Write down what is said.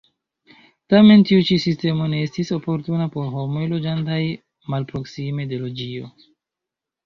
Tamen tiu ĉi sistemo ne estis oportuna por homoj loĝantaj malproksime de loĝio.